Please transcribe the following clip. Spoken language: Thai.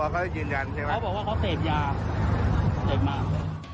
เค้าบอกว่าเค้าเต็บยาเต็บมาก